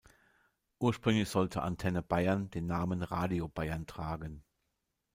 Ursprünglich sollte Antenne Bayern den Namen Radio Bayern tragen.